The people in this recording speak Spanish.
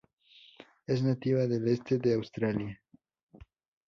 Es nativa del este de Australia.